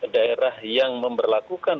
daerah yang memperlakukan